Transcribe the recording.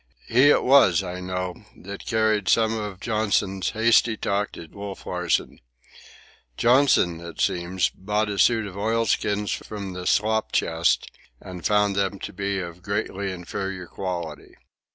He it was, I know, that carried some of Johnson's hasty talk to Wolf Larsen. Johnson, it seems, bought a suit of oilskins from the slop chest and found them to be of greatly inferior quality.